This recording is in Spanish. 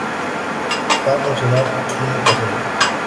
va a funcionar. tiene que hacerlo.